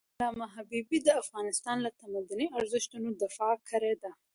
علامه حبيبي د افغانستان له تمدني ارزښتونو دفاع کړی ده.